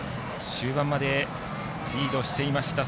終盤まで、リードしていました